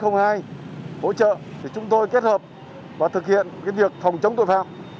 hỗ trợ để chúng tôi kết hợp và thực hiện việc phòng chống tội phạm